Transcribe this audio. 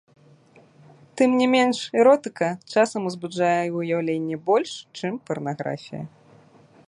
Тым не менш эротыка часам узбуджае ўяўленне больш, чым парнаграфія.